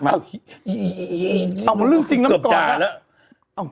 เกือบจ่าแล้ว